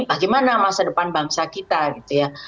bagaimana masa depan bangsa kita gitu ya